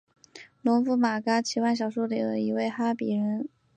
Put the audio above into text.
农夫马嘎奇幻小说里的一位哈比人。